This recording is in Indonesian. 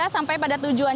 sampai pada tujuan